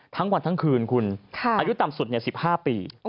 ทั้งวันทั้งคืนคุณอายุต่ำสุด๑๕ปี